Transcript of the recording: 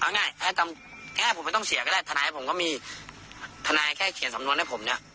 เอาง่ายแค่ผมไม่ต้องเสียก็ได้ทนายผมก็มีทนายแค่เขียนสำนวนให้ผมเนี่ย